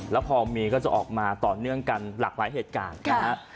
แล้วพอมีก็จะออกมาต่อเนื่องกันหลากหลายเหตุการณ์นะฮะ